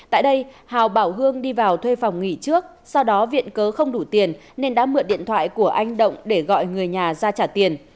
tại đây hào bảo hương đi vào thuê phòng nghỉ trước sau đó viện cớ không đủ tiền nên đã mượn điện thoại của anh động để gọi người nhà ra trả tiền